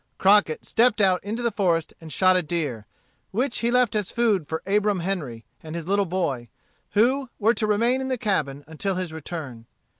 Crockett stepped out into the forest and shot a deer, which he left as food for Abram Henry and his little boy, who were to remain in the cabin until his return.